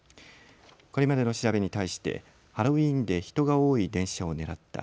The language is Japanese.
これまでの調べに対してハロウィーンで人が多い電車を狙った。